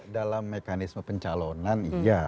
dalam mekanisme pencalonan iya